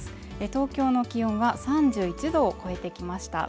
東京の気温は３１度を超えてきました。